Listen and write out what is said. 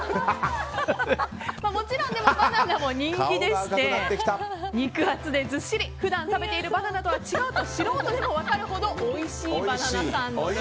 もちろんバナナも人気でして肉厚でずっしり普段食べているバナナとは違うと素人でも分かるほどおいしいバナナです。